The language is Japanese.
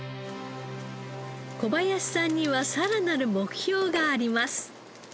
小林さんにはさらなる目標があります。